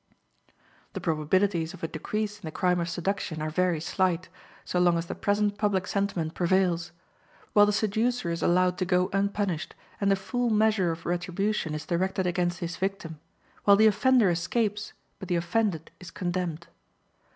The probabilities of a decrease in the crime of seduction are very slight, so long as the present public sentiment prevails; while the seducer is allowed to go unpunished, and the full measure of retribution is directed against his victim; while the offender escapes, but the offended is condemned.